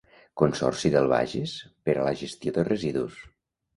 Consorci del Bages per a la gestió de residus.